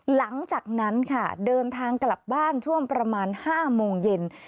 หลังจากนั้นค่ะเดินทางกลับบ้านช่วงประมาณ๕โมงเย็น